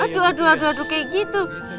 aduh aduh aduh kayak gitu